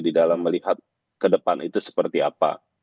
di dalam melihat ke depan itu seperti apa